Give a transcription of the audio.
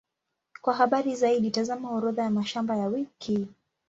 Kwa habari zaidi, tazama Orodha ya mashamba ya wiki.